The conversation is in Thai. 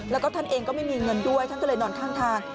แล้วก็ท่านเองก็ไม่มีเงินด้วยท่านก็เลยนอนข้างทาง